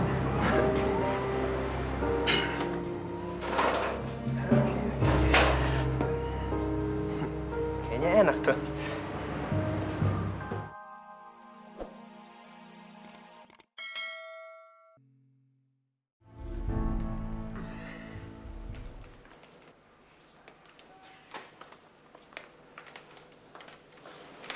kayaknya enak tuh